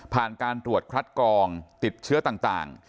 การตรวจคัดกองติดเชื้อต่าง